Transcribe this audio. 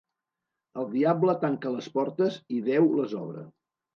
El diable tanca les portes i Déu les obre.